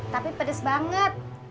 tapi pedes banget